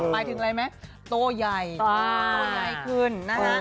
หมายถึงอะไรไหมโตใหญ่โตใหญ่ขึ้นนะฮะ